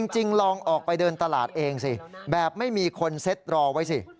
ลองออกไปเดินตลาดเองสิแบบไม่มีคนเซ็ตรอไว้สิ